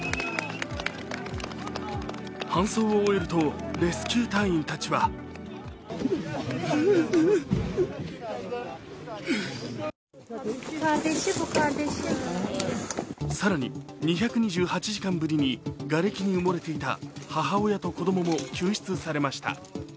搬送を終えるとレスキュー隊員たちは更に、２２８時間ぶりにがれきに埋もれていた母親と子供も救出されました。